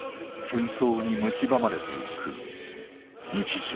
戦争に蝕まれていく日常。